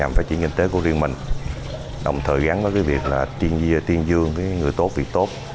nhằm phát triển kinh tế của riêng mình đồng thời gắn với việc tiên dương người tốt việc tốt